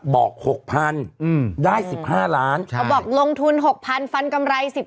บอก๖๐๐๐อืมได้๑๕ล้านใช่บอกลงทุน๖๐๐๐ฟันกำไร